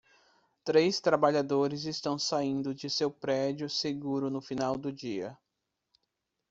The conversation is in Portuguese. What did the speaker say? Três trabalhadores estão saindo de seu prédio seguro no final do dia.